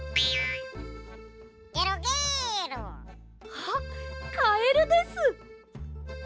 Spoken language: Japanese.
あっカエルです。